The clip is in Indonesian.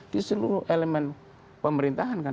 di seluruh elemen pemerintahan kan